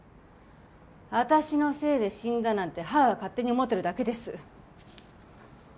私のせいで死んだなんて義母が勝手に思ってるだけです。